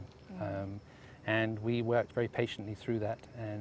dan kami telah bekerja dengan berhati hati